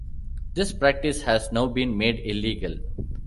This practice has now been made illegal.